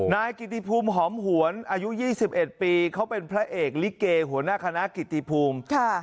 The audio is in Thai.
นายกิติภูมิหอมหวนอายุ๒๑ปีเขาเป็นพระเอกลิเกหัวหน้าคณะกิติภูมิ